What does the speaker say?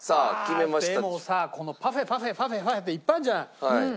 まあでもさこのパフェパフェパフェパフェっていっぱいあるじゃない。